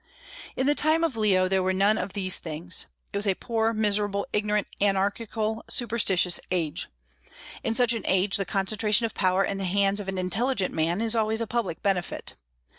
In the time of Leo there were none of these things. It was a poor, miserable, ignorant, anarchical, superstitious age. In such an age the concentration of power in the hands of an intelligent man is always a public benefit.